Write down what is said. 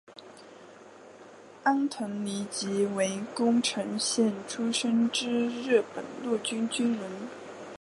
安藤利吉为宫城县出身之日本陆军军人。